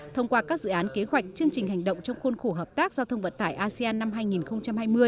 thông qua các dự án kế hoạch chương trình hành động trong khuôn khổ hợp tác giao thông vận tải asean năm hai nghìn hai mươi